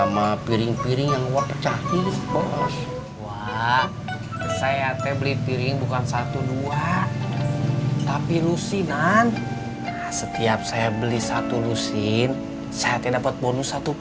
bagja silahkan duduk